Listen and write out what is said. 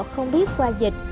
không biết qua dịch